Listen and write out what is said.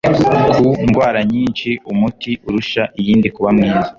Ku ndwara nyinshi umuti urusha iyindi kuba mwiza